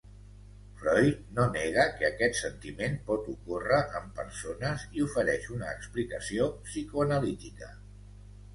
Freud no nega que aquest sentiment pot ocórrer en persones i ofereix una explicació psicoanalítica.